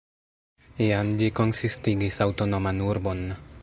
Iam ĝi konsistigis aŭtonoman urbon.